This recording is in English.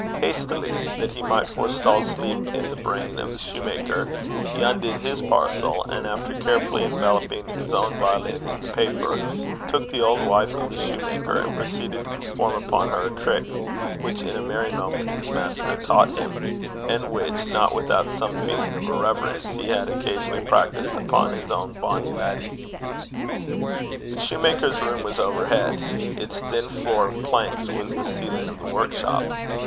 Hastily, that he might forestall sleep in the brain of the soutar, he undid his parcel, and after carefully enveloping his own violin in the paper, took the old wife of the soutar, and proceeded to perform upon her a trick which in a merry moment his master had taught him, and which, not without some feeling of irreverence, he had occasionally practised upon his own bonny lady. The shoemaker's room was overhead; its thin floor of planks was the ceiling of the workshop.